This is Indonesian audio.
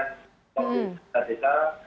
untuk mencari bukitnya